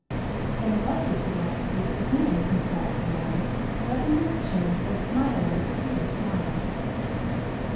"And what would you like to do for him?" inquired the lawyer, rubbing his chin and smiling a queer smile.